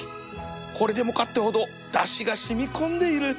これでもかってほどだしが染み込んでいる